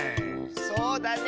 そうだね！